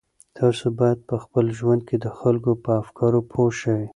تاسو باید په ژوند کې د خلکو په افکارو پوه شئ.